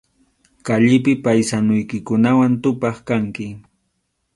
Kallipi paysanuykikunawan tupaq kanki.